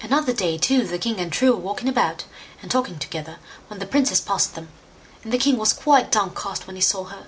Another day too the king and True were walking about, and talking together, when the princess passed them, and the king was quite downcast when he saw her.